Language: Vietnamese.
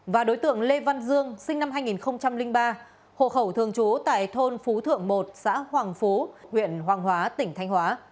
và đối tượng lê văn dương sinh năm hai nghìn ba hộ khẩu thường trú tại thôn phú thượng một xã hoàng phú huyện hoàng hóa tỉnh thanh hóa